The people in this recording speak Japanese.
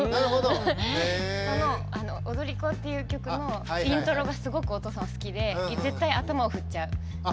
この「踊り子」っていう曲のイントロがすごくお父さんは好きで絶対頭を振っちゃう。